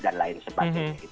dan lain sebagainya